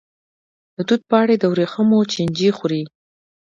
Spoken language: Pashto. د توت پاڼې د وریښمو چینجی خوري.